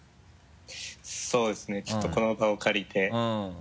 そうですねちょっとこの場を借りて。